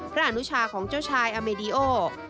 พระอรุณชาของเจ้าชายอาเมดิโอ